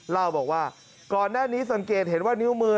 เล่าบอกว่าก่อนหน้านี้สังเกตเห็นว่านิ้วมือ